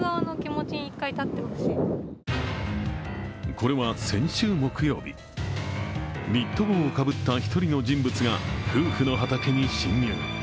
これは先週木曜日、ニット帽をかぶった１人の人物が夫婦の畑に侵入。